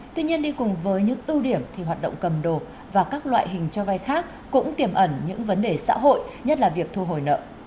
tuy nhiên đi cùng với những ưu điểm thì hoạt động cầm đồ và các loại hình cho vay khác cũng tiềm ẩn những vấn đề xã hội nhất là việc thu hồi nợ